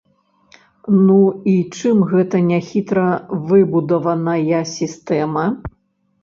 Ну і чым гэта не хітра выбудаваная сістэма?